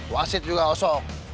wasit juga sok